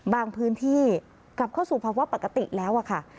พื้นที่กลับเข้าสู่ภาวะปกติแล้วค่ะ